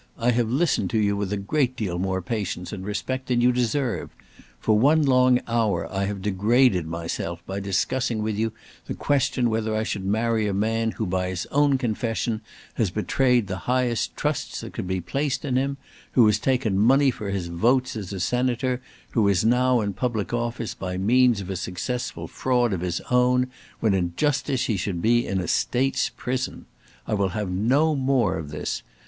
I have listened to you with a great deal more patience and respect than you deserve. For one long hour I have degraded myself by discussing with you the question whether I should marry a man who by his own confession has betrayed the highest trusts that could be placed in him, who has taken money for his votes as a Senator, and who is now in public office by means of a successful fraud of his own, when in justice he should be in a State's prison. I will have no more of this.